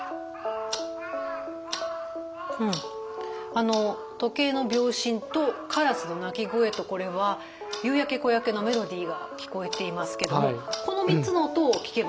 あの時計の秒針とカラスの鳴き声とこれは「夕焼け小焼け」のメロディーが聞こえていますけどもこの３つの音を聴けばいいんですか？